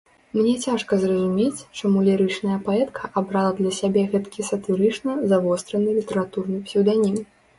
Мне цяжка зразумець, чаму лірычная паэтка абрала для сябе гэткі сатырычна завостраны літаратурны псеўданім.